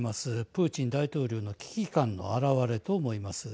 プーチン大統領の危機感の表れと思います。